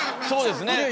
そうですね。